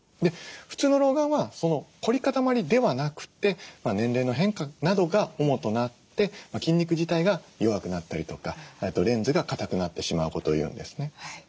普通の老眼は凝り固まりではなくて年齢の変化などが主となって筋肉自体が弱くなったりとかレンズがかたくなってしまうことを言うんですね。